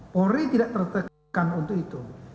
polri tidak tertekan untuk itu